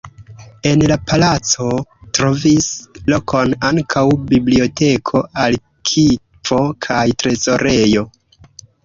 En la palaco trovis lokon ankaŭ biblioteko, arkivo kaj trezorejo.